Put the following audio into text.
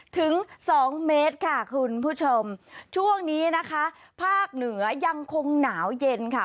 ถึงสองเมตรค่ะคุณผู้ชมช่วงนี้นะคะภาคเหนือยังคงหนาวเย็นค่ะ